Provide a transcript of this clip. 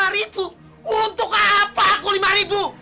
lima ribu untuk apa aku lima ribu